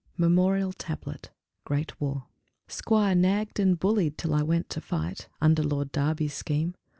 MEMORIAL TABLET (GREAT WAR) Squire nagged and bullied till I went to fight (Under Lord Derby's scheme).